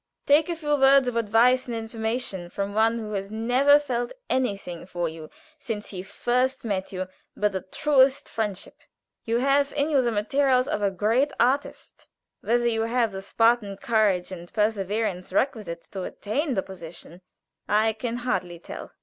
"Take a few words of advice and information from one who has never felt anything for you since he first met you but the truest friendship. You have in you the materials of a great artist; whether you have the Spartan courage and perseverance requisite to attain the position, I can hardly tell.